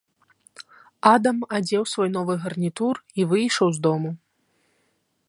Адам адзеў свой новы гарнітур і выйшаў з дому.